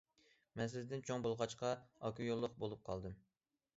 مەن سىزدىن چوڭ بولغاچقا ئاكا يوللۇق بولۇپ قالدىم.